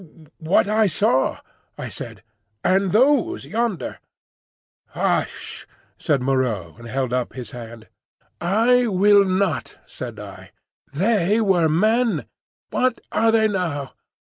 "What I saw," I said. "And those—yonder." "Hush!" said Moreau, and held up his hand. "I will not," said I. "They were men: what are they now?